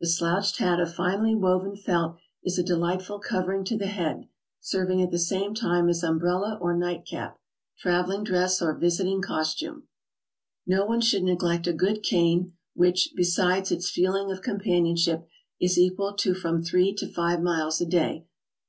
The slouched hat of finely woven felt is a delightful covering to the head, serving at the same time as umbrella or night cap, traveling dress or visiting costume. No one should neglect a good cane, which, besides its feeling of companionship, is equal to from three to five miles a day.